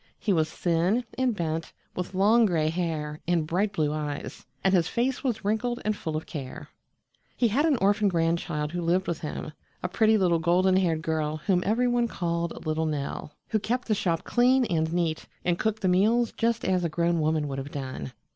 He was thin and bent, with long gray hair and bright blue eyes, and his face was wrinkled and full of care. He had an orphan grandchild who lived with him a pretty little golden haired girl whom every one called Little Nell, who kept the shop clean and neat and cooked the meals just as a grown woman would have done.